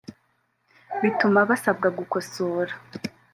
bituma basabwa gukosora